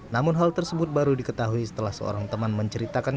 namun hal tersebut baru diketahui setelah seorang teman menceritakan